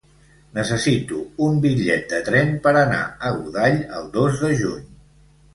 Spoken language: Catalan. Necessito un bitllet de tren per anar a Godall el dos de juny.